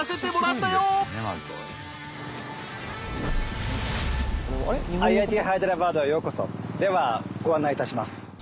ではご案内いたします。